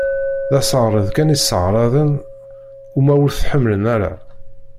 D aseɛreḍ kan i sseɛraḍen, uma ur t-ḥemmlen ara.